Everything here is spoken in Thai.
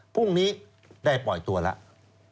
พรุ่งนี้ได้ปล่อยตัวแล้ว